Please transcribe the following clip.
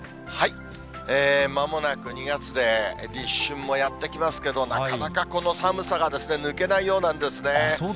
まもなく２月で、立春もやって来ますけど、なかなかこの寒さが抜けないようなんですね。